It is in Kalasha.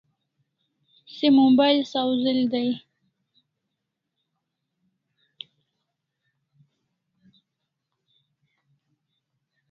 Se mobile sawzel dai